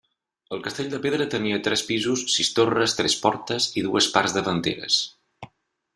El castell de pedra tenia tres pisos, sis torres, tres portes i dues parts davanteres.